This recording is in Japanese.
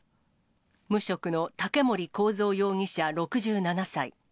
無職の竹森幸三容疑者６７歳。